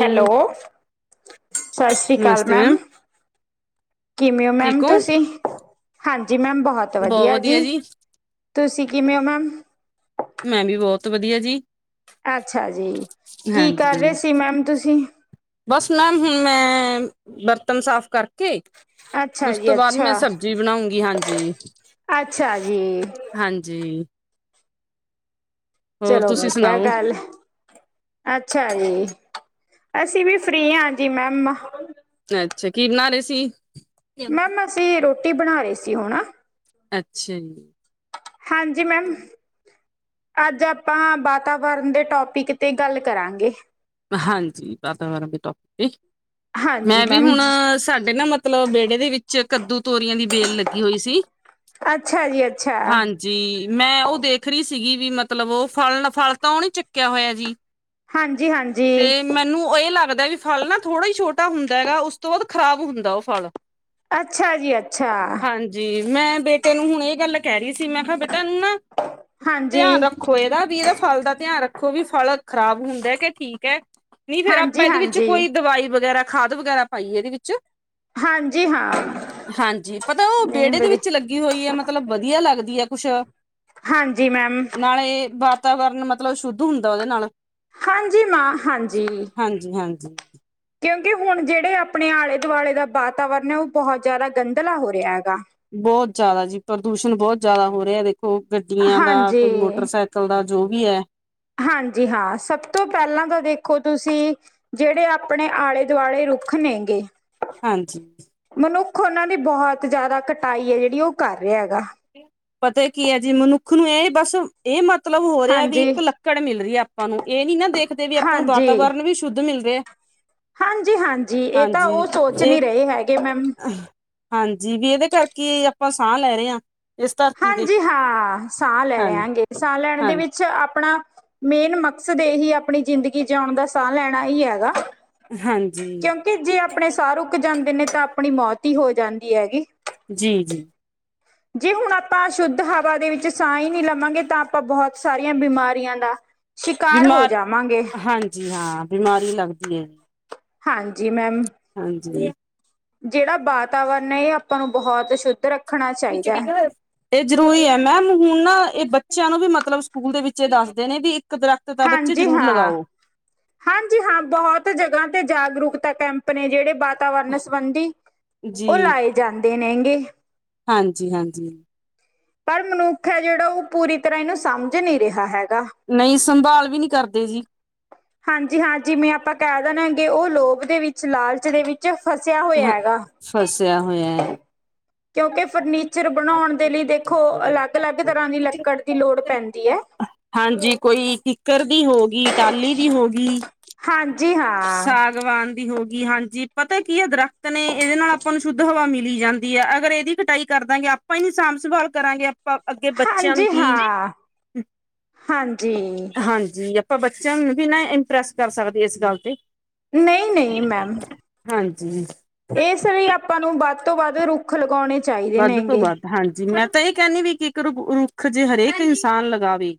Hello! ਸਤਿ ਸ਼੍ਰੀ ਕਾਲ ਮੈਮ, ਕਿਵੇਂ ਓ ਮੈਮ ਠੀਕ ਹੋ ਤੁਸੀਂ? ਹਾਂਜੀ ਮੈਮ ਬਹੁਤ ਵਧੀਆ ਜੀ, ਤੁਸੀਂ ਕਿਵੇਂ ਓ ਮੈਮ? ਮੈਂ ਬੀ ਬਹੁਤ ਵਧੀਆ ਜੀ। ਅੱਛਾ ਜੀ, ਕੀ ਕਰ ਹਾਂਜੀ ਰੇ ਸੀ ਮੈਮ ਤੁਸੀਂ? ਬਸ ਮੈਮ ਹੁਣ ਮੈਂ ਬਰਤਨ ਸਾਫ਼ ਕਰ ਕੇ ਅੱਛਾ ਉਸ ਤੋਂ ਜੀ ਬਾਅਦ ਮੈਂ ਅੱਛਾ ਸਬਜ਼ੀ ਬਣਾਉਂਗੀ ਹਾਂਜੀ। ਅੱਛਾ ਜੀ ਹਾਂਜੀ! ਹੋਰ ਚਲੋ ਤੁਸੀਂ ਵਧੀਆ ਸੁਣਾਓ ਗੱਲ। ਅੱਛਾ ਜੀ! ਅਸੀਂ ਵੀ ਫਰੀ ਆਂ ਜੀ ਮੈਮ। ਤ ਅੱਛਾ ਕੀ ਬਨਾ ਰੇ ਸੀ? ਮੈਮ ਅਸੀਂ ਰੋਟੀ ਬਣਾ ਰੇ ਸੀ ਹੁਣ। ਅੱਛਾ ਜੀ! ਹਾਂਜੀ ਮੈਮ। ਅੱਜ ਆਪਾਂ ਬਾਤਾਵਰਨ ਦੇ ਟੌਪਿਕ 'ਤੇ ਗੱਲ ਕਰਾਂਗੇ। ਹਾਂਜੀ ਵਾਤਾਵਰਨ ਦੇ ਟੋਪਿ 'ਤੇ ਹਾਂਜੀ ਮੈਂ ਵੀ ਮੈਮ ਹੁਣ ਸਾਡੇ ਨਾ ਮਤਲਬ ਬਿਹੜੇ ਦੇ ਵਿੱਚ ਕੱਦੂ-ਤੋਰੀਆਂ ਦੀ ਬੇਲ ਲੱਗੀ ਹੋਈ ਸੀ। ਅੱਛਾ ਜੀ ਅੱਛਾ! ਜੀ ਮੈਂ ਉਹ ਦੇਖ ਰੀ ਸੀਗੀ ਵੀ ਮਤਲਬ ਉਹ ਫਲ ਫਲ ਤਾਂ ਉਹਨੇ ਚੁੱਕਿਆ ਹੋਇਆ ਜੀ। ਹਾਂਜੀ-ਹਾਂਜੀ! ਤੇ ਮੈਨੂੰ ਇਹ ਲੱਗਦਾ ਵੀ ਫਲ ਨਾ ਥੋੜ੍ਹਾ ਈ ਛੋਟਾ ਹੁੰਦਾ ਹੈਗਾ, ਉਸ ਤੋਂ ਬਾਅਦ ਖ਼ਰਾਬ ਹੁੰਦਾ ਉਹ ਫਲ। ਅੱਛਾ ਜੀ ਅੱਛਾ! ਜੀ ਮੈਂ ਬੇਟੇ ਨੂੰ ਹੁਣ ਇਹ ਗੱਲ ਕਹਿ ਰਹੀ ਸੀ, ਮੈਂ ਕਿਹਾ ਬੇਟਾ ਇਹਨੂ ਨਾ ਹਾਂਜੀ ਧਿਆਨ ਰੱਖੋ ਇਹਦਾ ਵੀ ਇਹਦਾ ਫ਼ਲ ਦਾ ਧਿਆਨ ਰੱਖੋ ਵੀ ਫ਼ਲ ਖ਼ਰਾਬ ਹੁੰਦਾ ਕਿ ਠੀਕ ਐ ਨਹੀਂ ਫੇ਼ਰ ਆਪਾਂ ਹਾਂਜੀ ਇਹਦੇ ਵਿੱਚ ਹਾਂਜੀ ਕੋਈ ਦਵਾਈ ਵਗੈਰਾ ਖਾਧ ਵਗੈਰਾ ਪਾਈਏ ਇਹਦੇ ਵਿੱਚ। ਹਾਂਜੀ ਹਾਂ ਹਾਂਜੀ, ਪਤਾ ਉਹ ਨਹੀਂ ਬਿਹੜੇ ਦੇ ਵਧੀ ਵਿੱਚ ਲੱਗ ਗੀ ਹੋਈ ਹੈ ਮਤਲਬ ਬਧੀਆ ਲੱਗਦੀ ਹੈ ਕੁੱਸ਼ ਹਾਂਜੀ ਮੈਮ! ਨਾਲੇ ਬਾਤਾਵਰਨ ਮਤਲਬ ਸ਼ੁੱਧ ਹੁੰਦਾ ਉਹਦੇ ਨਾਲ਼। ਹਾਂਜੀ ਮਾਂ! ਹਾਂਜੀ ਹਾਂਜੀ-ਹਾਂਜੀ! ਕਿਉਂਕਿ ਹੁਣ ਜਿਹੜੇ ਆਪਣੇ ਆਲੇ਼-ਦੁਆਲੇ਼ ਦਾ ਬਾਤਾਵਰਨ ਐ ਉਹ ਬਹੁਤ ਜ਼ਿਆਦਾ ਗੰਧਲਾ ਹੋ ਰਿਹਾ ਹੈਗਾ। ਬਹੁਤ ਜਿਆਦਾ ਜੀ ਪ੍ਰਦੂਸ਼ਣ ਬਹੁਤ ਜਿਆਦਾ ਹੋ ਰਿਹਾ ਦੇਖੋ! ਗੱਡੀਆਂ ਦਾ, ਹਾਂਜੀ ਕੋਈ ਮੋਟਰਸਾਇਕ ਕਲ ਦਾ ਜੋ ਵੀ ਐ। ਹਾਂਜੀ ਹਾਂ, ਸਭ ਤੋਂ ਪਹਿਲਾਂ ਤਾਂ ਦੇਖੋ ਤੁਸੀਂ। ਜਿਹੜੇ ਆਪਣੇ ਆਲੇ਼-ਦੁਆਲੇ਼ ਰੁੱਖ ਨੇ ਗੇ ਹਾਂਜੀ! ਮਨੁੱਖ ਉਹਨਾਂ ਦੀ ਬਹੁਤ ਜ਼ਿਆਦਾ ਕਟਾਈ ਐ ਜਿਹੜੀ ਉਹ ਕਰ ਰਿਆ ਗਾ। ਪਤਾ ਕੀ ਐ ਜੀ, ਮਨੁੱਖ ਨੂੰ ਇਹ ਬਸ ਇਹ ਮਤਲਬ ਹੋ ਰਿਆ ਵੀ ਹਾਂਜੀ ਇੱਕ ਲੱਕੜ ਮਿਲ ਰੀ ਐ ਆਪਾਂ ਨੂੰ, ਇਹ ਨੀ ਨਾ ਦੇਖਦੇ ਵੀ ਆਪਾਂ ਨੂੰ ਵਾਤਾਵਰਣ ਵੀ ਸ਼ੁ ਧ ਮਿਲ ਰਿਆ। ਹਾਂਜੀ-ਹਾਂਜੀ ਇਹ ਤਾਂ ਉਹ ਸੋਚ ਇਹ ਨਈਂ ਰਹੇ ਹੈਗੇ ਮੈਮ। ਹਾਂਜੀ, ਵੀ ਇਹਦੇ ਕਰਕੇਆਪਾਂ ਸਾਹ ਲੈ ਰਹੇ ਹਾਂ। ਇਸ ਧਰਤੀ ਤੇ ਹਾਂਜੀ ਹਾਂ। ਸਾਹ ਲੈ ਰਹੇ ਹੇਗੈ। ਹਾਂਜੀ। ਸਾਹ ਲੈਣ ਹਾਂ ਦੇ ਵਿੱਚ ਆਪਣਾ ਮੇਨ ਮਕਸਦ ਇਹੀ ਆਪਣੀ ਜ਼ਿੰਦਗੀ ਜਿਉਣ ਦਾ ਸਾਹ ਲੈਣਾ ਹੀ ਹੈਗਾ। ਹਾਂਜੀ ਕਿਉਂਕਿ ਜੇ ਆਪਣੇ ਸਾਹ ਰੁੱਕ ਜਾਂਦੇ ਨੇ ਤਾਂ ਆਪਣੀ ਮੌਤ ਹੀ ਹੋ ਜਾਂਦੀ ਹੈਗੀ ਜੀ, ਜੀ। ਜੀ ਹੁਣ ਆਪਾਂ ਸ਼ੁੱਧ ਹਵਾ ਦੇ ਵਿੱਚ ਸਾਹ ਹੀ ਨਹੀਂ ਲਵਾਂਗੇ ਤਾਂ ਆਪਾਂ ਬਹੁਤ ਸਾਰੀਆਂ ਬਿਮਾਰੀਆਂ ਦਾ ਸ਼ਿਕਾਰ ਹੋ ਬਿਮਾਰ ਜਾਵਾਂਗੇ ਹਾਂਜੀ ਹਾਂ, ਬਿਮਾਰੀ ਲੱਗਦੀ ਹੈ। ਹਾਂਜੀ, ਮੈਮ। ਹਾਂਜੀ! ਜਿਹੜਾ ਵਾਤਾਵਰਣ ਹੈ ਇਹ ਆਪਾਂ ਨੂੰ ਬਹੁਤ ਸ਼ੁੱਧ ਰੱਖ ਨਿਚੜ ਖ [unintelligible] ਇਹ ਜ਼ਰੂਰੀ ਹੈ ਮੈਮ, ਹੁਣ ਨਾ ਇਹ ਬੱਚਿਆਂ ਨੂੰ ਵੀ ਮਤਲੱਬ ਸਕੂਲ ਦੇ ਵਿੱਚ ਦੱਸਦੇ ਨੇ ਵੀ ਦਰਖਤ ਤਾਂ ਬੱਚੇ ਹਾਂਜੀ, ਜ਼ਰੂਰ ਹਾਂ। ਲਗਾਓ ਹਾਂਜੀ ਹਾਂ, ਬਹੁਤ ਜਗ੍ਹਾ ਤੇ ਜਾਗਰੂਕਤਾ ਕੈਂਪ ਨੇ ਜਿਹੜੇ ਬਾ ਵਾਤਾਵਰਣ ਸੰਬੰਧੀ, ਜੀ ਉਹ ਲਾਏ ਜਾਂਦੇ ਨੇਂਗੇ ਹਾਂਜੀ- ਹਾਂਜੀ। ਪਰ ਮਨੁੱਖ ਹੈ ਜਿਹੜਾ ਉਹ ਪੂਰੀ ਤਰ੍ਹਾਂ ਇਹਨੂੰ ਸਮਂਝ ਨਹੀਂ ਰਿਹਾ ਹੈਗਾ। ਨਹੀਂ, ਸੰਭਾਲ ਵੀ ਨਹੀਂ ਕਰਦੇ ਜੀ। ਹਾਂਜੀ -ਹਾਂਜੀ। ਜਿਵੇ ਆਪਾਂ ਕਹਿ ਦੇਣਾ ਹੇਗੇ ਉਹ ਲੋਭ ਦੇ ਵਿੱਚ, ਲਾਲਚ ਦੇ ਵਿੱਚ ਫਸਿਆ ਹਾਂ ਹੋਇਆ ਹੈਗਾ। ਫਸਿਆ ਹੋਇਆ ਹੈ। ਕਿਉਂਕਿ ਫਰਨੀਚਰ ਬਣਾਉਣ ਦੇ ਲਈ ਦੇਖੋ, ਅਲੱਗ- ਅਲੱਗ ਤਰ੍ਹਾਂ ਦੀ ਲੱਕੜ ਦੀ ਲੋੜ ਪੈਂਦੀ ਹੈ। ਹਾਂਜੀ, ਕੋਈ ਕਿੱਕਰ ਦੀ ਹੋ ਗਈ, ਟਾਹਲੀ ਦੀ ਹੋ ਗਈ। ਹਾਂਜੀ- ਹਾਂ। [unintelligible] ਭਗਵਾਨ ਦੀ ਹੋ ਗਈ। ਹਾਂਜੀ, ਪਤਾ ਕੀ ਆ ਦਰਖਤ ਨੇ ਇਹਦੇ ਨਾਲ ਆਪਾਂ ਨੂੰ ਸ਼ੁੱਧ ਹਵਾ ਮਿਲੀ ਜਾਂਦੀ। ਦੀ ਅਗਰ ਇਹਦੀ ਕਟਾਈ ਕਰ ਦਾਂਗੇ। ਆਪਾਂ ਹੀ ਨੀ ਸਾਂਭ ਸੰਭਾਲ ਕਰਾਂਗੇ ਆਪਾਂ ਅੱਗੇ ਬੱਚਿਆ ਨੂੰ ਹਾਂਜੀ ਕੀ, ਹਾਂ ਹਾਂਜੀ ਹਾਂਜੀ। ਆਪਾਂ ਬੱਚਿਆਂ ਨੂੰ ਵੀ ਨਾ ਇੰਪ੍ਰੈਸ ਕਰ ਸਕਦੇ ਇਸ ਗੱਲ ਤੇ। ਨਹੀਂ -ਨਹੀਂ, ਮੈਮ। ਹਾਂਜੀ! ਇਸ ਲਈ ਆਪਾਂ ਨੂੰ ਵੱਧ ਤੋਂ ਵੱਧ ਰੁੱਖ ਲਗਾਉਣੇ ਚਾਹੀਦੇ ਵੱਧ ਤੋਂ ਨੇਗੇ। ਵੱਧ ਹਾਂਜੀ, ਮੈਂ ਤਾਂ ਇਹ ਕਹਿੰਦੀ ਵੀ ਇੱਕ ਇੱਕ ਰੁੱਖ ਜੇ ਹਰੇਕ ਇਨਸਾਨ ਲਗਾਵੇ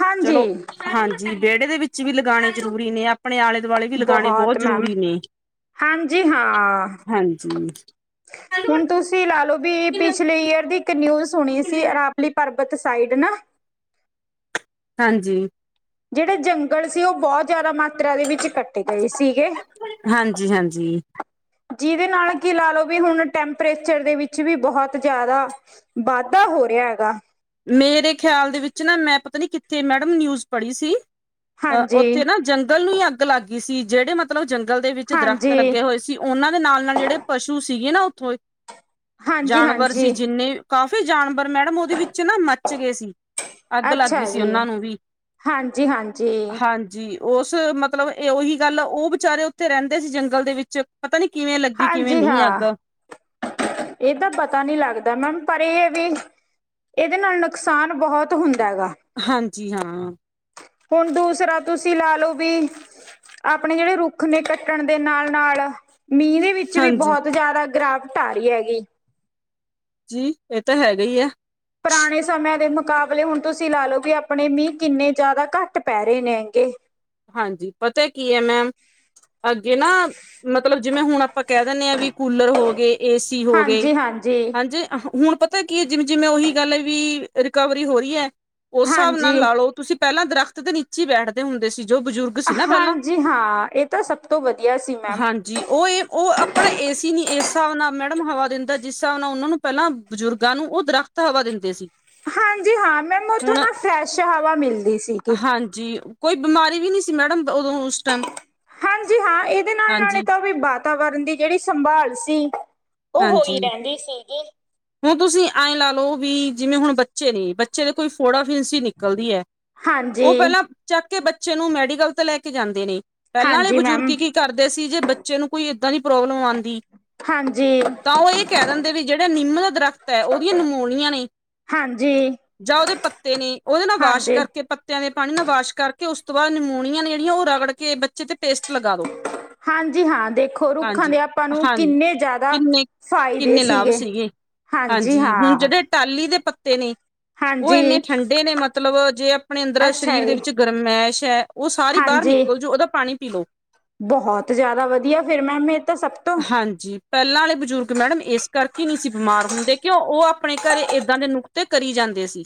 ਹਾਂਜੀ ਚਲੋ, ਹਾਂਜੀ। ਵਿਹੜੇ ਦੇ ਵਿੱਚ ਵੀ ਲਗਾਉਣੇ ਜ਼ਰੂਰੀ ਨੇ ਆ ਆਪਣੇ ਆਲੇ ਦੁਆਲੇ ਵੀ ਲਗਾਉਣੇ ਬਹੁਤ ਜਰੂਰੀ ਨੇ, ਹਾਂਜੀ ਹਾਂ ਹਾਂਜੀ। ਣ [unintelligible] ਤੁਸੀ ਲਾ ਲੳ ਬੀ ਪਿਛਲੇ ਈਅਰ ਦੀ ਇੱਕ ਨਿਊਜ਼ ਸੁਣੀ ਸੀ ਅਰਾਵਲੀ ਪਰਬਤ ਸਾਈਡ ਨਾ ਹਾਂਜੀ! ਜਿਹੜੇ ਜੰਗਲ ਸੀ ਉਹ ਬਹੁਤ ਜ਼ਿਆਦਾ ਮਾਤਰਾ ਦੇ ਵਿੱਚ ਕੱਟ ਹਾਂਜੀ -ਹਾਂਜੀ! ਜਿਹਦੇ ਨਾਲ ਕੀ ਲਾ ਲਓ ਵੀ ਹੁਣ ਟੈਂਪਰੇਚਰ ਦੇ ਵਿੱਚ ਵੀ ਬਹੁਤ ਜ਼ਿਆਦਾ ਵਾਧਾ ਹੋ ਰਿਹਾ ਹੈਗਾ। ਮੇਰੇ ਖਿਆਲ ਦੇ ਵਿੱਚ ਨਾ, ਮੈਂ ਪਤਾ ਨੀ ਕਿੱਥੇ, ਮੈਡਮ ਨਿਊਜ ਪੜ੍ਹੀ ਸੀ ਅਹ ਹਾਂਜੀ ਉੱਥੇ ਨਾ ਜੰਗਲ ਨੂੰ ਹੀ ਅੱਗ ਲੱਗ ਗਈ ਸੀ ਜਿਹੜੇ ਮਤ ਮਤਲੱਬ ਜੰਗਲ ਦੇ ਵਿੱਚ ਦਰਖਤ ਹਾਂਜੀ ਲੱਗੇ ਹੋਏ ਸੀ ਉਹਨਾਂ ਦੇ ਨਾਲ ਨਾਲ ਜਿਹੜੇ ਪਸ਼ੂ ਸੀਗੇ ਨਾ ਉੱਥੋਂ ਹਾਂਜੀ ਜਾਨਵਰ ਸੀ ਹਾਂਜੀ ਜਿੰਨੇ, ਕਾਫੀ ਜਾਨਵਰ ਮੈਡਮ ਉਹਦੇ ਵਿੱਚ ਨਾ ਮੱਚ ਗਏ ਸੀ। ਅੱਗ ਲੱਗ ਗਈ ਅੱਛਾ ਸੀ ਜੀ ਉਹਨਾਂ ਨੂੰ ਵੀ, ਹਾਂਜੀ ਹਾਂਜੀ ਹਾਂਜੀ। ਉਸ ਮਤਲੱਬ ਇਹ ਉਹੀ ਗੱਲ, ਉਹ ਵਿਚਾਰੇ ਉੱਥੇ ਰਹਿੰਦੇ ਸੀ। ਜੰਗਲ ਦੇ ਵਿੱਚ ਪਤਾ ਨਹੀਂ। ਕਿਵੇਂ ਲੱਗੀ, ਕਿਵੇਂ ਨਹੀਂ ਅੱਗ ਇਹ ਤਾਂ ਪਤਾ ਨੀ ਲੱਗਦਾ, ਮੈਮ ਪਰ ਇਹ ਹੈ ਵੀ ਇਹਦੇ ਨਾਲ ਨੁਕਸਾਨ ਬਹੁਤ ਹੁੰਦਾ ਹੈਗਾ। ਹਾਂਜੀ, ਹਾਂ। ਹੁਣ ਦੂਸਰਾ ਤੁਸੀਂ ਲਾ ਲੋ ਵੀ ਆਪਣੇ ਜਿਹੜੇ ਰੁੱਖ ਨੇ ਕੱਟਣ ਦੇ ਨਾਲ -ਨਾਲ ਮੀਂਹ ਦੇ ਵਿੱਚ ਵੀ ਹਾਂਜੀ ਬਹੁਤ ਜ਼ਿਆਦਾ ਗਿਰਾਵਟ ਆ ਰਹੀ ਹੈਗੀ। ਜੀ ਇਹ ਤਾਂ ਹੈਗਾ ਹੀ ਹੈ। ਪਰਾਣੇ ਸਮੇਆਂ ਦੇ ਮੁਕਾਬਲੇ ਹੁਣ ਤੁਸੀਂ ਲਾ ਲਓ, ਕਿ ਆਪਣੇ ਮੀਂਹ ਕਿੰਨੇ ਜ਼ਿਆਦਾ ਘੱਟ ਪੈ ਰਹੇ ਨੇ ਅੱਗੇ। ਹਾਂਜੀ, ਪਤਾ ਕੀ ਹੈ ਮੈਮ ਅੱਗੇ ਨਾ ਮਤਲਬ ਜਿਵੇਂ, ਹੁਣ ਆਪਾਂ ਕਹਿ ਦਿੰਦੇ ਹਾਂ ਵੀ ਕੂਲਰ ਹੋ ਗਏ ਏਸੀ ਹੋ ਗਏ, ਹਾਂਜੀ ਹਾਂਜੀ ਹਾਂਜੀ ਹੁਣ ਪਤ ਪਤਾ ਕੀ ਹੈ। ਜਿਵੇਂ -ਜਿਵੇਂ ਉਹੀ ਗੱਲ ਵੀ ਰਿਕਵਰੀ ਹੋ ਰਹੀ ਹੈ। ਉਸ ਹਿਸਾਬ ਨਾਲ ਹਾਂਜੀ ਲਾ ਲਓ ਤੁਸੀਂ ਪਹਿਲਾਂ ਦਰਖਤ ਦੇ ਨੀਚੇ ਬੈਠਦੇ ਹੁੰਦੇ ਸੀ। ਜੋ ਬਜ਼ੁਰਗ ਸੀ ਨਾ ਪਹਿਲਾਂ ਹਾਂਜੀ ਹਾਂ, ਇਹ ਤਾਂ ਸਭ ਤੋਂ ਵਧੀਆ ਸੀ ਮੈਮ ਹਾਂਜੀ ਉਹ ਇਹ ਉਹ ਆਪਣਾ ਏ ਸੀ ਨੀ ਇਸ ਏ ਏ ਔ ਏ ਇ ਅਪਨਾ ਏ ਸੀ ਨੀ ਏਸ ਹਿਸਾਬ ਨਾਲ ਮੈਡਮ ਹਵਾ ਦਿੰਦਾ। ਜਿਸ ਹਿਸਾਬ ਨਾਲ ਉਹਨਾਂ ਨੂੰ ਪਹਿਲਾਂ ਬਜ਼ੁਰਗਾਂ ਨੂੰ ਉਹ ਦਰੱਖਤ। ਤ ਹਵਾ ਦਿੰਦੇ ਸੀ। ਹਾਂਜੀ ਹਾਂ, ਮੈਨੂੰ ਉੱਥੋਂ ਹੁਣ ਨਾ ਫਰੈਸ਼ ਹਵਾ ਮਿਲਦੀ ਸੀਗੀ। ਹਾਂਜੀ। ਕੋਈ ਬਿਮਾਰੀ ਵੀ ਨਹੀਂ ਸੀ ਮੈਡਮ, ਉਦੋਂ ਉਸ ਟਾਈਮ ਹਾਂਜੀ ਹਾਂ, ਇਹਦੇ ਨਾਲ -ਨਾਲ ਇਹ ਹਾਂਜੀ ਤਾਂ ਵੀ ਵਾਤਾਵਰਨ ਦੀ ਜਿਹੜੀ ਸੰਭਾਲ ਸੀ ਉਹ ਹੋਈ ਹਾਂਜੀ। ਰਹਿੰਦੀ ਸੀਗੀ। ਹੁਣ ਤੁਸੀਂ ਐਂ ਲਾ ਲਓ ਬਈ, ਜਿਵੇਂ ਹੁਣ ਬੱਚੇ ਨੇ, ਬੱਚੇ ਦੇ ਕੋਈ ਫੋੜਾ ਫਿਨਸੀ ਨਿਕਲਦੀ ਹੈ। ਉਹ ਹਾਂਜੀ, ਪਹਿਲਾਂ ਚੱਕ ਕੇ ਬੱਚੇ ਨੂੰ ਮੈਡੀਕਲ ਤੇ ਲੈ ਕੇ ਜਾਂਦੇ ਨੇ, ਪਹਿਲਾਂ ਆਲੇ ਹਾਂਜੀ ਬਜ਼ੁਰਗ ਮੈਮ, ਕੀ ਕਰਦੇ ਸੀ, ਜੇ ਬੱਚੇ ਨੂੰ ਕੋਈ ਏਦਾਂ ਦੀ ਪ੍ਰੋਬਲਮ ਆਉਂਦੀ ਹਾਂਜੀ। ਤਾਂ ਉਹ ਇਹ ਕਹਿ ਦਿੰਦੇ, ਵੀ ਜਿਹੜਾ ਨਿੰਮ ਦਾ ਦਰਖਤ ਹੈ ਉਹਦੀਆਂ ਨਮੋਲੀਆਂ ਨੇ ਹਾਂਜੀ। ਜਾਂ ਉਹਦੇ ਪੱਤੇ ਨੇ, ਉਹਦੇ ਨਾਲ ਵਾਸ਼ ਹਾਂਜੀ, ਕਰਕੇ ਪ ਪਤਿਆਂ ਦੇ ਪਾਣੀ ਨਾਲ ਵਾਸ਼ ਕਰਕੇ, ਉਸ ਤੋਂ ਬਾਅਦ ਨਿਮੋਨੀਆ ਨੇ ਜਿਹੜੀਆਂ ਉਹ ਰਗੜ ਕੇ ਬੱਚੇ ਤੇ ਪੇਸਟ ਲਗਾ ਦੋ। ਹਾਂਜੀ ਹਾਂ, ਦੇਖੋ ਰੁੱਖਾਂ ਹਾਂਜੀ ਦੇ ਆਪਾਂ ਨੂੰ ਹਾਂਜੀ ਕਿੰਨੇ ਜ਼ਿਆ ਦਾ ਕਿੰਨੇ ਫਾਇਦੇ ਕਿੰਨੇ ਲਾਭ ਸੀਗੇ, ਹਾਂਜੀ ਹੁਣ ਹਾਂ। ਜਿਹੜੇ ਟਾਹਲੀ ਦੇ ਪੱਤੇ ਨੇ, ਉਹ ਹਾਂਜੀ, ਇੰਨੇ ਠੰਡੇ ਨੇ, ਮਤਲਬ ਜੇ ਆਪਣੇ ਅੰਦਰ ਅੱਛਾ ਸਰੀਰ ਦੇ ਜੀ, ਵਿੱਚ ਗਰਮੈਸ਼ ਹੈ, ਉਹ ਸਾਰੀ ਬਾਹਰ ਹਾਂਜੀ। ਨਿਕਲ ਜੂ ਉਹਦਾ ਪਾਣੀ ਪੀ ਲਓ ਬਹੁਤ ਜ਼ਿਆਦਾ ਵਧੀਆ, ਫਿਰ ਮੈਮ ਇਹ ਤਾਂ ਸਭ ਤੋਂ ਹਾਂਜੀ। ਪਹਿਲਾਂ ਆਲੇ ਬਜ਼ੁਰਗ ਮੈਡਮ, ਇਸ ਕਰਕੇ ਨਹੀਂ ਸੀ ਬਿਮਾਰ ਹੁੰਦੇ, ਕਿਉਂ ਉਹ ਆਪਣੇ ਘਰੇ ਏਦਾਂ ਦੇ ਨੁਕ ਤੇ ਕਰੀ ਜਾਂਦੇ ਸੀ।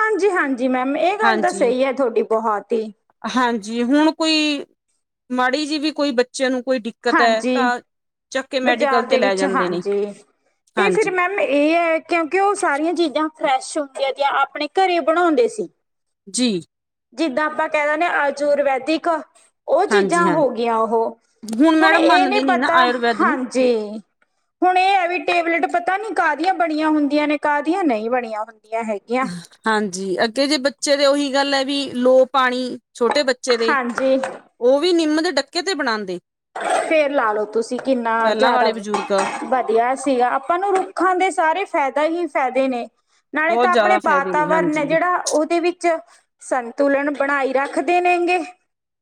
ਹਾਂਜੀ -ਹਾਂਜੀ ਮੈਮ, ਇਹ ਗੱਲ ਤਾਂ ਹਾਂਜੀ ਸਹੀ ਹੈ ਤੁਹਾਡੀ ਬਹੁਤ ਹੀ ਹਾਂਜੀ, ਹੁਣ ਕੋਈ ਮਾੜੀ ਜਿਹੀ ਵੀ ਕੋਈ ਬੱਚਿਆਂ ਨੂੰ ਕੋਈ ਦਿੱਕਤ ਹੈ ਹਾਂਜੀ। ਤਾਂ ਚੱਕੇ ਮੈਡੀਕਲ ਬਾਜ਼ਾਰ ਤੇ ਦੇ ਲੈ ਵਿੱਚ, ਜਾਂਦੇ ਨੇ ਹਾਂਜੀ ਤੇ ਫਿਰ ਹਾਂਜੀ ਮੈਂ ਇਹ ਹੈ ਕਿਉਂਕਿ, ਉਹ ਸਾਰੀਆਂ ਚੀਜ਼ਾਂ ਫਰੈਸ਼ ਹੁੰਦੀਆਂ, ਜਾਂ ਆਪਣੇ ਘਰੇ ਬਣਾਉਂਦੇ ਸੀ। ਜੀ। ਜਿੱਦਾਂ ਆਪਾਂ ਕੈ ਦੇਨੇ ਆ, ਆਜੁਰਵੈਦਿਕ ੳ ਹਾਂਜੀ ਚੀਜਾ ਹਾਂ ਹੋ ਗਈਆਂ ੳਹ, ਹੁਣ ਹੁਨ ਮੈਡਮ ਏਹ ਨਈ ਮੰਨਦੇ ਨੀ ਨਾ ਪਤਾ ਆਯੁਰਵੈਦ ਨੂੰ ਹਾਂਜੀ। ਹੁਨ ਏ ਹੈ ਵੀ, ਟੇਬਲੇਟ ਪਤਾ ਨੀ ਕਾਹਦੀਆਂ ਬਨੀਆਂ ਹੁੰਦੀਆਂ ਨੇ, ਕਾਹਦੀਆਂ ਨਈ ਬਨੀਆਂ ਹੁੰਦੀਆਂ ਹੈਗੀਆਂ। ਹਾਂਜੀ, ਅੱਗੇ ਜੇ ਬੱਚੇ ਦੇ ੳਹੀ ਗੱਲ ਏ ਵੀ, ਲੋ ਪਾਨੀ ਛੋਟੇ ਬੱਚੇ ਦੇ ਹਾਂਜੀ। ੳ ਵੀ ਨਿੰਮ ਦੇ ਡੱਕੇ ਤੇ ਬਨਾਂਦੇ। ਫੇਰ ਲਾ ਲੋ ਤੁਸੀਂ ਕਿੰਨਾ ਜਾਦਾ ਵਾਲੇ ਬਜ਼ੁਰਗ ਵਧੀਆ ਸੀਗਾ। ਆਪਾਂ ਨੂੰ ਰੁੱਖਾਂ ਦੇ ਸਾਰੇ ਫੈਦਾ ਹੀ ਫੈਦੇ ਨੇ। ਨਾਲੇ ਬਹੁਤ ਤਾਂ ਅਪਨੇ ਜ਼ਿਆਦਾ ਫਾਇਦੇ ਨੇ ਵਾਤਾਵਰਨ ਹੈ ਹਾਂਜੀ ਜੇੜਾ ੳਹਦੇ ਵਿੱਚ ਸੰਤੁਲਨ ਬਨਾਈ ਰੱਖਦੇ ਨੇਂ ਗੇ।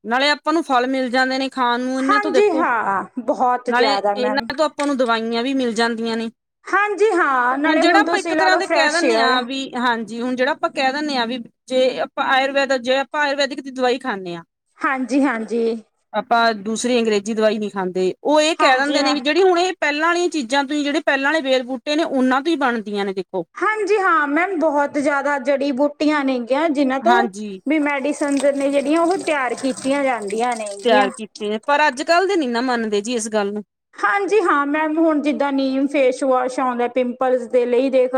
ਨਾਲੇ ਆਪਾਂ ਨੂੰ ਫਲ ਮਿਲ ਜਾਨੇ ਨੇ ਖਾਨ ਨੂੰ ਏਨਾਂ ਤੋਂ ਹਾਂਜੀ ਦੇਖੋ, ਹਾਂ ਬਹੁਤ ਨਾਲੇ ਜ਼ਿਆਦਾ ਮੈਮ ਏਨਾਂ ਤੋਂ ਤਾਨੂੰ ਦਵਾਈਆਂ ਵੀ ਮਿਲ ਜਾਂਦੀਆਂ ਨੇ। ਹਾਂਜੀ ਹਾਂ ਹੁਨ ਨਾਲੇ ਜੇੜਾ ਹੁਣ ਆਪਾਂ ਇੱਕ ਤੁਸੀਂ ਲਾ ਤਰਾ ਲਓ ਦੇ ਕੈ ਫਰੈਸ਼ ਦਿੰਨੇ ਏਅਰ ਆ ਵੀ ਹਾਂਜੀ ਹੁਨ ਜੇੜਾ ਆਪਾਂ ਕੈ ਦਿੰਨੇ ਆ ਵੀ ਜੇ ਆਪਾਂ ਆਯੁਰਵੈਦ ਜੇ ਆਪਾਂ ਆਯੁਰਵੈਦਿਕ ਦੀ ਦਵਾਈ ਖਾਨੇ ਆ ਹਾਂਜੀ ਹਾਂਜੀ। ਆਪਾਂ ਦੂਸਰੀ ਅੰਗਰੇਜੀ ਦਵਾਈ ਨੀ ਖਾਂਦੇ ਉਹ ਏ ਕੈ ਹਾਂਜੀ ਦਿੰਦੇ ਨੇ ਮੈਮ ਵੀ ਜੇੜੀ ਹੁਨ ਏਹ ਪੈਲਾਂ ਆਲੀ ਚੀਜਾ ਤੁਹੀ ਜੇੜੇ ਪੈਲਾਂ ਆਲੇ ਵੇਲ- ਬੂਟੇ ਨੇ, ੳਨਾਂ ਤੋਂ ਹੀ ਬਨਦੀਆਂ ਨੇ ਦੇਖੋ। ਹਾਂਜੀ ਹਾਂ ਮੈਮ ਬੋਹਤ ਜਾਦਾ ਜੜੀ ਬੂਟੀਆਂ ਨੇਗੀਆਂ ਜਿਨਾਂ ਤੋਂ ਹਾਂਜੀ ਵੀ ਮੈਡੀ ਸਨ ਨੇ ਜੇਹੜੀਆਂ ੳਹ ਤੇਆਰ ਕੀਤੀਆਂ ਜਾਂਦੀਆਂ ਨੇ। ਤੇਆਰ ਕੀਤੇ ਨੇ, ਪਰ ਅੱਜ-ਕੱਲ ਦੇ ਨੀ ਨਾ ਮੰਨਦੇ ਜੀ ਇਸ ਗੱਲ ਨੂੰ। ਹਾਂਜੀ ਹਾਂ ਮੈਮ ਹੁਨ ਜਿੱਦਾਂ ਨੀਮ ਫੇਸ ਵਾਸ਼ ਆਂਦਾ ਪਿੰਪਲਸ ਦੇ ਲਈ ਦੇਖ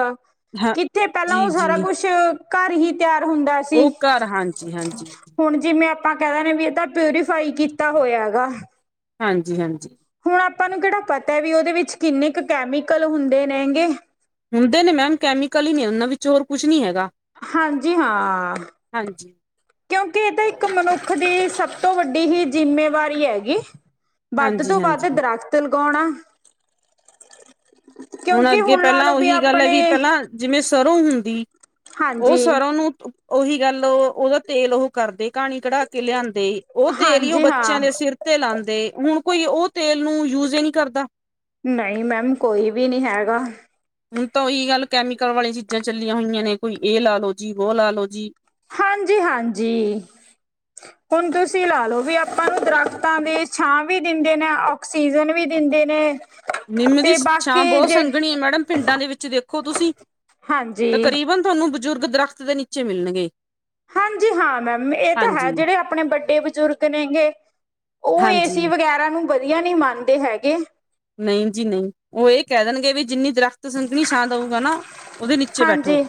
ਹਾਂ ਕਿੱਤੇ ਪੈਲਾਂ ਜੀ ੳਹ ਸਾਰਾ ਜੀ ਕੁਛ ਘਰ ਹੀ ਤੇਆਰ ਹੁੰਦਾ ਸੀ। ਉਹ ਘਰ ਹਾਂਜੀ ਹਾਂਜੀ ਹੁਨ ਜਿਵੇਂ ਆਪਾਂ ਕੈ ਦੇਨੇ ਆ ਵੀ ਏਹਦਾ ਪਿਉਰੀਫਾਈ ਕੀਤਾ ਹੋਇਆ ਹੈਗਾ। ਹਾਂਜੀ ਹਾਂਜੀ। ਹੁਨ ਆਪਾਂ ਨੂੰ ਕੇੜਾ ਪਤਾ ਵੀ ੳਦੇ ਵਿੱਚ ਕਿੰਨੇ ਕੁ ਕੈਮੀਕਲ ਹੁੰਦੇ ਨੇਂਗੇ। ਹੁੰਦੇ ਨੇ ਮੈਮ ਕੈਮੀਕਲ ਈ ਨੇ ੳਨਾਂ ਵਿੱਚ, ਹੋਰ ਕੁਛ ਨੀ ਹੈਗਾ। ਹਾਂਜੀ ਹਾਂ। ਹਾਂਜੀ। ਕਿਉਂਕਿ ਏ ਤਾਂ ਇੱਕ ਮਨੁੱਖ ਦੀ ਸਭ ਤੋਂ ਵੱਡੀ ਹੀ ਜਿੰਮੇਵਾਰੀ ਹੈਗੀ। ਵੱਧ ਤੋਂ ਹਾਂਜੀ ਵੱਧ ਹਾਂਜੀ ਦਰਖਤ ਲਗਾਉਨਾ ਹੁਨ ਅੱਗੇ ਪਹਲਾਂ ੳਹੀ ਗੱਲ ਹੈ ਵੀ ਆਪਣੇ ਪਹਲਾਂ ਜਿਵੇਂ ਸਰੋਂ ਹੁੰਦੀ ੳਹ ਹਾਂਜੀ ਸਰੋਂ ਨੂੰ ੳਹੀ ਗੱਲ ੳਹ ੳਦਕ ਤੇਲ ੳਹ ਕਰਦੇ ਘਾਨੀ ਕਢਾ ਕੇ ਲਿਆਂਦੇ, ੳਹ ਤੇਲ ਈ ੳਹ ਹਾਂਜੀ ਬੱਚੇਆਂ ਹਾਂ ਦੇ ਸਿਰ ਤੇ ਤੇ ਲਾਂਦੇ, ਹੁਨ ਕੋਈ ੳਹ ਤੇਲ ਨੂੰ ਯੂਜ ਈ ਨੀ ਕਰਦਾ। ਨਈ, ਮੈਮ ਕੋਈ ਵੀ ਨੀ ਹੈਗਾ। ਹੁਨ ਤਾਂ ੳਹੀ ਗੱਲ, ਕੈਮੀਕਲ ਵਾਲੀਆਂ ਚੀਜਾ ਚੱਲੀਆਂ ਹੋਈਆਂ ਨੇ, ਕੋਈ ਏਹ ਲਾ ਲੋ ਜੀ, ਵੋ ਲਾ ਲੋ ਜੀ। ਹਾਂਜੀ ਹਾਂਜੀ। ਹੁਨ ਤੁਸੀ ਲਾ ਲੋ ਵੀ ਆਪਾਂ ਨੂੰ ਦਰਖਤਾ ਦੇ ਛਾਂ ਵੀ ਦਿੰਦੇ ਨੇ, ਆੱਕਸੀਜਨ ਵੀ ਦਿੰਦੇ ਨੇ ਨਿੰਮ ਦੀ ਤੇ ਛਾਂ ਬਾਕੀ ਬੋਹਤ ਜੇ ਸੰਘਣੀ ਏ ਮੈਡਮ, ਪਿੰਡਾਂ ਦੇ ਵਿੱਚ ਦੇਖੋ ਤੁਸੀ, ਹਾਂਜੀ ਤਕਰੀਬਨ ਤਾਨੂੰ ਬਜ਼ੁਰਗ ਦਰੱਖਤ ਦੇ ਨੀਚੇ ਮਿਲਨਗੇ। ਹਾਂਜੀ ਹਾਂ ਮੈਮ ਇਹ ਤਾਂ ਹੈ। ਜੇੜੇ ਅਪਨੇ ਵੱਡੇ ਬਜ਼ੁਰਗ ਨੇ ਗੇ ੳ ਹਾਂਜੀ ਏਸੀ ਵਗੈਰਾ ਨੂੰ ਵਧੀਆ ਨਈ ਮੰਨਦੇ ਹੈਗੇ। ਨਈ ਜੀ ਨਈ ੳਹ ਏ ਕਹ ਦੇਨਗੇ ਵੀ ਜਿੰਨੀ ਦਰਖਤ ਸੰਘਣੀ ਛਾਂ ਦਉਗਾ ਨਾ ਉਹਦੇ ਨੀਚੇ ਬੈਠੋ ਹਾਂਜੀ,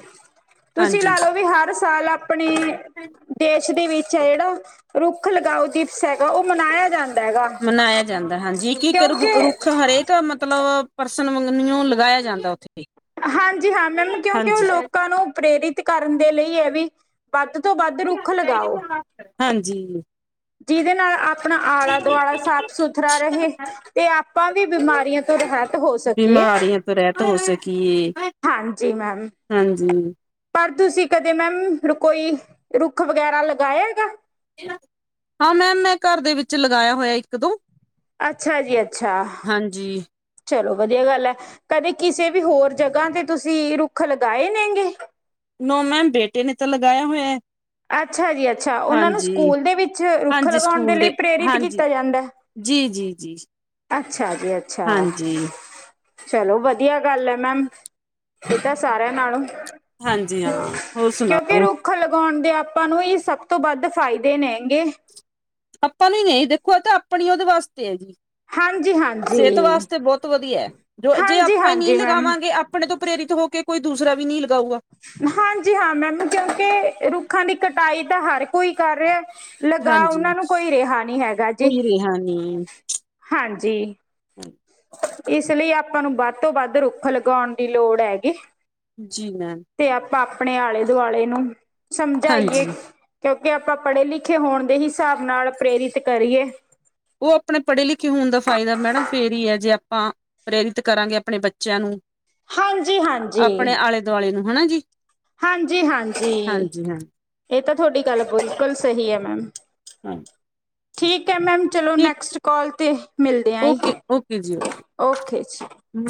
ਤੁਸੀ ਹਾਂਜੀ ਲਾ ਲੋ ਵੀ ਹਰ ਸਾਲ ਅਪਨੇ ਦੇਸ਼ ਦੇ ਵਿੱਚ ਏ ਜੇੜਾ ਰੁੱਖ ਲਗਾਓ ਜਿ ਮਨਾਇਆ ਜਾਂਦਾ ਹਾਂਜੀ ਕਿ ਇੱਕ ਰੁ ਕਿਉਂਕਿ ਰੁੱਖ ਹਰੇਕ ਮਤਲਵ ਪਰਸਨ ਮੰਗਣਓ ਲਗਾਇਆ ਜਾਂਦਾ ਉੱਥੇ [unintelligible] ਹਾਂਜੀ ਹਾਂ ਮੈਮ ਕਿਉਂਕਿ ਉਹ ਹਾਂਜੀ ਲੋਕਾਂ ਨੂੰ ਪ੍ਰੇਰਿਤ ਕਰਨ ਦੇ ਲਈ ਐ ਵੀ ਵੱਧ ਤੋਂ ਵੱਧ ਰੁੱਖ ਹਾਂਜੀ! ਜੀਦੇ ਨਾਲ਼ ਆਪਣਾ ਆਲਾ਼-ਦੁਆਲਾ਼ ਸਾਫ਼ ਸੁਥਰਾ ਰਹੇ। ਤੇ ਆਪਾਂ ਵੀ ਬਿਮਾਰੀਆਂ ਤੋਂ ਰਹਿਤ ਹੋ ਸਕੀਏ। ਬਿਮਾਰੀਆਂ ਰਹਿਤ ਹੋ ਸਕੀਏ। ਹਾਂਜੀ ਮੈਮ! ਹਾਂਜੀ ਪਰ ਤੁਸੀਂ ਕਦੇ ਮੈਮ ਹੁਣ ਕੋਈ ਰੁੱਖ ਵਗੈ਼ਰਾ ਲਗਾਇਆ ਗਾ? ਹਾਂ ਮੈਮ ਮੈਂ ਘਰ ਦੇ ਵਿੱਚ ਲਗਾਇਆ ਹੋਇਆ ਇੱਕ-ਦੋ। ਅੱਛਾ ਜੀ ਅੱਛਾ! ਹਾਂਜੀ! ਚਲੋ ਵਧੀਆ ਗੱਲ੍ਹ ਐ, ਕਦੇ ਕਿਸੇ ਵੀ ਹੋਰ ਜਗ੍ਹਾਂ ਤੇ ਤੁਸੀਂ ਰੁੱਖ ਲਗਾਏ ਨੇ ਗੇ? ਨੋ ਮੈਮ, ਬੇਟੇ ਨੇ ਤੇ ਲਗਾਇਆ ਹੋਇਆ। ਅੱਛਾ ਜੀ ਅੱਛਾ! ਉਹਨਾਂ ਨੂੰ ਹਾਂਜੀ ਸਕੂਲ ਦੇ ਵਿੱਚ ਰੁੱਖ ਹਾਂਜੀ ਲਗਾਉਣ ਦੇ ਸਕੂਲ ਲਈ ਪ੍ਰੇਰਿਤ ਹਾਂਜੀ ਕੀਤਾ ਜਾਂਦਾ? ਜੀ ਜੀ ਜੀ। ਅੱਛਾ ਜੀ ਅੱਛਾ! ਹਾਂਜੀ ਚਲੋ ਵਧੀਆ ਗੱਲ ਐ ਮੈਮ, ਏਹ ਤਾਂ ਸਾਰਿਆਂ ਨਾਲੋਂ। ਹਾਂਜੀ ਹਾਂ, ਹੋਰ ਕਿਉਂਕਿ ਸੁਣਾਓ? ਰੁੱਖ ਲਗਾਉਣ ਦੇ ਆਪਾਂ ਨੂੰ ਇਹੀ ਸਭ ਤੋਂ ਵੱਧ ਫਾ਼ਇਦੇ ਨੇ ਗੇ। ਆਪਾਂ ਨੂੰ ਈ ਨਈਂ, ਦੇਖੋ ਇਹ ਤਾਂ ਆਪਣੀ ਉਹਦੇ ਵਾਸਤੇ ਐ ਜੀ। ਹਾਂਜੀ ਸਿਹਤ ਹਾਂਜੀ ਵਾਸਤੇ ਬਹੁਤ ਵਧੀਐ, ਜੋ-ਜੇ ਹਾਂਜੀ ਆਪਾਂ ਈ ਨੀ ਹਾਂਜੀ ਮੈਮ ਲਗਾਵਾਂਗੇ ਆਪ ਪਣੇ ਤੋਂ ਪ੍ਰੇਰਿਤ ਹੋ ਕੇ ਕੋਈ ਦੂਸਰਾ ਵੀ ਨਈਂ ਲਗਾਊਗਾ। ਹਾਂਜੀ ਹਾਂ ਮੈਮ ਕਿਉਂਕਿ ਰੁੱਖਾਂ ਦੀ ਕਟਾਈ ਤਾਂ ਹਰ ਕੋਈ ਕਰ ਰਿਆ। ਲਗਾ ਹਾਂਜੀ ਉਹਨਾਂ ਨੂੰ ਕੋਈ ਰਿਹਾ ਨਈਂ ਹੈਗਾ ਜੀ, ਕੋਈ ਰਿਹਾ ਨਹੀਂ ਹਾਂਜੀ! ਇਸ ਲਈ ਆਪਾਂ ਨੂੰ ਵੱਧ ਤੋਂ ਵੱਧ ਰੁੱਖ ਲਗਾਉਣ ਦੀ ਲੋੜ ਐਗੀ। ਜੀ ਮੈਮ! ਤੇ ਆਪਾਂ ਆਪਣੇ ਆਲੇ਼-ਦੁਆਲੇ਼ ਨੂੰ ਸਮਝਾਈਏ। ਹਾਂਜੀ ਕਿਉਂਕਿ ਆਪਾਂ ਪੜ੍ਹੇ-ਲਿਖੇ ਹੋਣ ਦੇ ਹਿਸਾਬ ਨਾਲ ਪ੍ਰੇਰਿਤ ਕਰੀਏ। ਉਹ ਆਪਣੇ ਪੜ੍ਹੇ-ਲਿਖੇ ਹੋਣ ਦਾ ਫਾ਼ਇਦਾ ਮੈਡਮ ਫੇਰ ਈ ਐ ਜੇ ਆਪਾਂ ਪ੍ਰੇਰਿਤ ਕਰਾਂਗੇ ਆਪਣੇ ਬੱਚਿਆਂ ਨੂੰ, ਹਾਂਜੀ ਅ-ਆਪਣੇ ਆਲੇ਼-ਦੁਆਲੇ਼ ਨੂੰ ਹਨਾ ਜੀ? ਹਾਂਜੀ-ਹਾਂਜੀ! ਹਾਂਜੀ ਹਾਂ ਇਹ ਤਾਂ ਥੋਡੀ ਗੱਲ ਬੁਲਕੁਲ ਸਹੀ ਐ ਮੈਮ, ਠੀਕ ਐ ਮੈਮ। ਚਲੋ ਠੀਕ ਨੈਕਸਟ ਕਾਲ਼ 'ਤੇ ਮਿਲਦੇ ਆ ਓਕੇ ਯੀ, ਓਕੇ ਜੀ। ਹਮ।